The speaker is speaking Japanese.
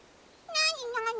なになに？